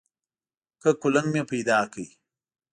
که کولنګ مې پیدا کړ.